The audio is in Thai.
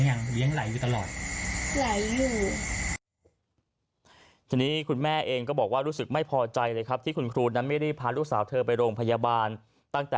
หรือว่าตอนนั้นที่ไปหาหมอเลือดหรือยัง